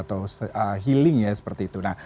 atau healing ya seperti itu